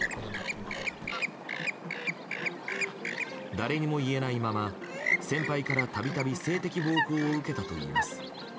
誰にも言えないまま先輩から、たびたび性的暴行を受けたといいます。